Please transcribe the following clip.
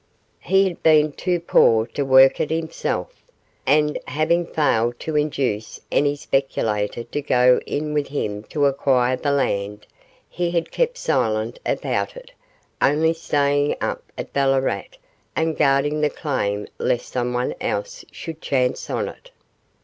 He had been too poor to work it himself, and, having failed to induce any speculator to go in with him to acquire the land, he had kept silent about it, only staying up at Ballarat and guarding the claim lest someone else should chance on it.